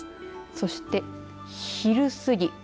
そして、昼過ぎ。